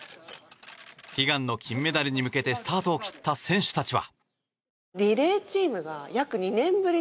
悲願の金メダルに向けてスタートを切った選手たちは。